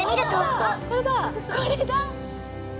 これだ！